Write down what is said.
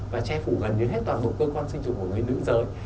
và che phủ gần như hết toàn bộ cơ quan sinh dục của người nữ giới